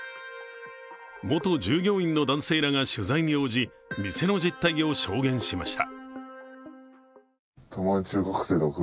元従業員の男性らが取材に応じ、店の実態を証言しました。